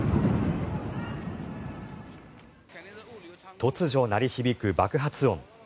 突如鳴り響く爆発音。